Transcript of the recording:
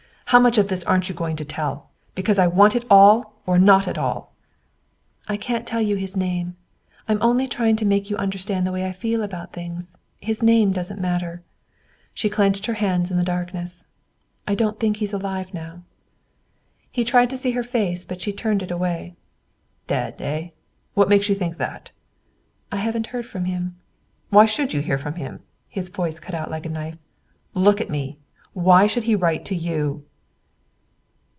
"How much of this aren't you going to tell? Because I want it all or not at all." "I can't tell you his name. I'm only trying to make you understand the way I feel about things. His name doesn't matter." She clenched her hands in the darkness. "I don't think he is alive now." He tried to see her face, but she turned it away. "Dead, eh? What makes you think that?" "I haven't heard from him." "Why should you hear from him?" His voice cut like a knife. "Look at me. Why should he write to you?"